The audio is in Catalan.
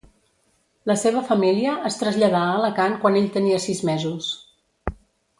La seva família es traslladà a Alacant quan ell tenia sis mesos.